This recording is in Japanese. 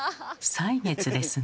歳月ですね。